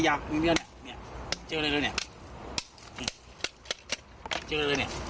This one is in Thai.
มันไม่มีอะไรเลยเนี่ยเจออะไรเลย